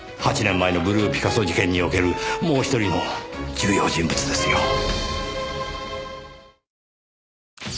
８年前のブルーピカソ事件におけるもう１人の重要人物ですよ。